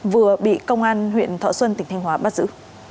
vừa bị công an huyện thọ xuân tỉnh thanh hóa bắt giữ